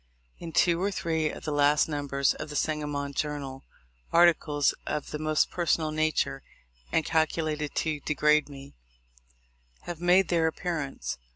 In two or three of the last numbers of the Sangamon Journal, articles of the most personal nature, and calcu lated to degrade me, have made their appearance.